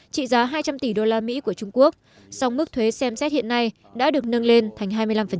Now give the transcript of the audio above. trị giá hai trăm linh tỷ usd của trung quốc song mức thuế xem xét hiện nay đã được nâng lên thành hai mươi năm